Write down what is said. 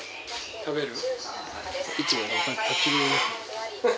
食べる？